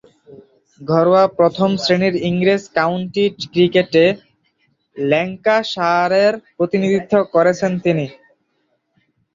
ঘরোয়া প্রথম-শ্রেণীর ইংরেজ কাউন্টি ক্রিকেটে ল্যাঙ্কাশায়ারের প্রতিনিধিত্ব করেছেন তিনি।